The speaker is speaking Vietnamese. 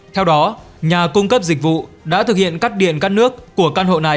theo đó nhà cung cấp dịch vụ đã thực hiện cắt điện cắt nước của căn hộ này